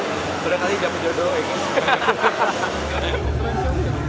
sudah kali gak berjodoh